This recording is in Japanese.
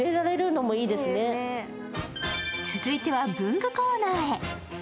続いては文具コーナーへ。